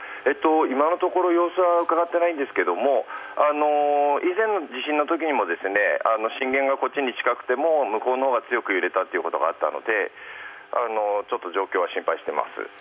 今のところ様子は伺っていないんですけれども、以前の地震のときにも震源がこっちに近くても、向こうの方が強く揺れたことがあったので状況は心配してます。